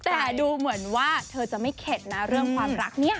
แต่ดูเหมือนว่าเธอจะไม่เข็ดนะเรื่องความรักเนี่ย